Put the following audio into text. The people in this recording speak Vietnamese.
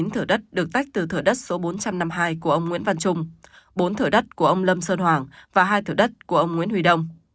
chín thửa đất được tách từ thửa đất số bốn trăm năm mươi hai của ông nguyễn văn trung bốn thửa đất của ông lâm sơn hoàng và hai thửa đất của ông nguyễn huy đông